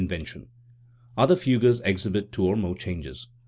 307 Other fugues exhibit two or more changes.